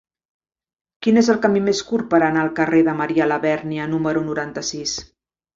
Quin és el camí més curt per anar al carrer de Marià Labèrnia número noranta-sis?